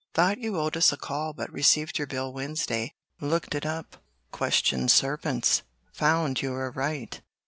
Thought you owed us a call, but received your bill Wednesday looked it up questioned servants found you were right."